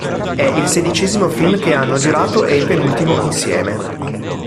È il sedicesimo film che hanno girato e il penultimo insieme.